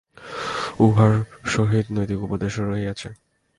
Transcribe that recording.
উহার সহিত নৈতিক উপদেশও রহিয়াছে।